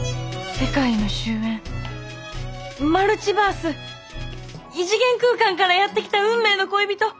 世界の終焉マルチバース異次元空間からやって来た運命の恋人。